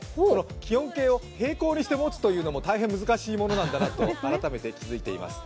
気温計を並行にして持つというのも大変なものだと改めて気づいています。